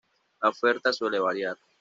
La oferta suele variar.